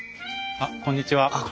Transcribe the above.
あっこんにちは。